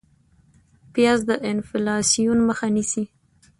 پیاز د انفلاسیون مخه نیسي